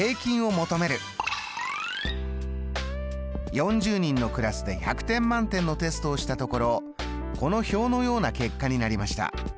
４０人のクラスで１００点満点のテストをしたところこの表のような結果になりました。